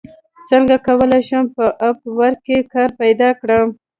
څنګه کولی شم په اپ ورک کې کار پیدا کړم